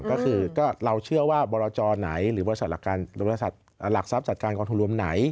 ก็คือก็เราเชื่อว่าบรจไหนหรือบริษัทหลักทรัพย์จัดการกองทุนรวมไหน